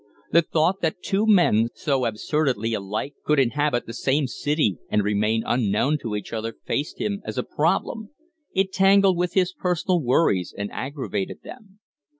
The thought that two men so absurdly alike could inhabit the same, city and remain unknown to each other faced him as a problem: it tangled with his personal worries and aggravated them.